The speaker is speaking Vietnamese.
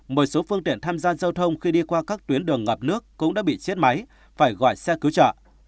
một số phương tiện tham gia giao thông khi đi qua các tuyến đường ngập nước cũng đã bị chết máy phải gọi xe cứu trợ